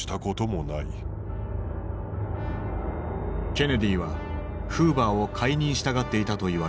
ケネディはフーバーを解任したがっていたといわれている。